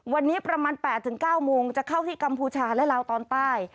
วันนี้ประมาณ๘๙โมงจะเข้าที่กัมพูชาและลาวตอนใต้